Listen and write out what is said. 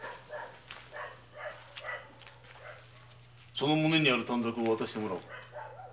その胸にある短冊を渡してもらおう。